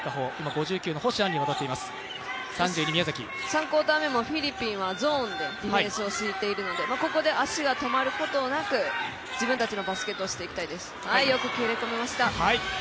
３クオーター目もフィリピンはゾーンでディフェンスを敷いているのでここで足が止まることなく自分たちのバスケットをしていきたいです。